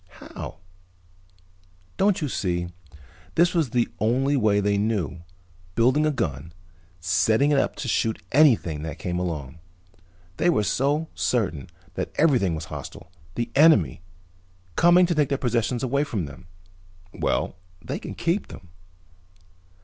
"How?" "Don't you see? This was the only way they knew, building a gun and setting it up to shoot anything that came along. They were so certain that everything was hostile, the enemy, coming to take their possessions away from them. Well, they can keep them."